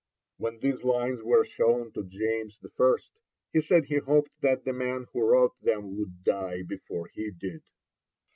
When these lines were shown to James I. he said he hoped that the man who wrote them would die before he did.